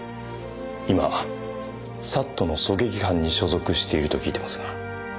今ＳＡＴの狙撃班に所属していると聞いていますが。